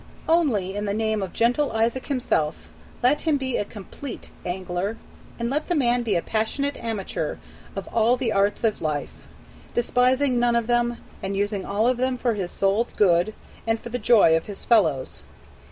Only, in the name of gentle Izaak himself, let him be a complete angler; and let the man be a passionate amateur of all the arts of life, despising none of them, and using all of them for his soul's good and for the joy of his fellows.